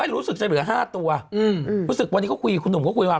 รู้สึกจะเหลือห้าตัวอืมรู้สึกวันนี้ก็คุยคุณหนุ่มก็คุยมา